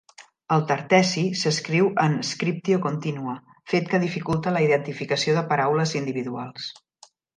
El tartessi s'escriu en "scriptio continua", fet que dificulta la identificació de paraules individuals.